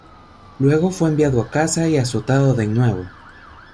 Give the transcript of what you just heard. Luego fue enviado a casa y azotado de nuevo.